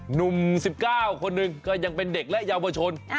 หนุ่ม๑๙คนหนึ่งก็ยังเป็นเด็กและเยาวชน